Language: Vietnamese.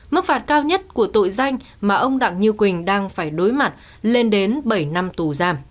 mức phạt cao nhất của tội danh mà ông đặng như quỳnh đang phải đối mặt lên đến bảy năm tù giam